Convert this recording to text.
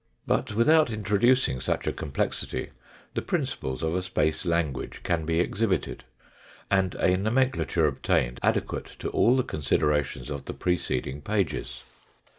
But, without introducing such a complexity, the principles of a space language can be exhibited, and a nomenclature obtained adequate to all the considerations of the preceding pages.